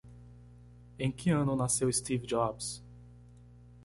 Em que ano nasceu Steve Jobs?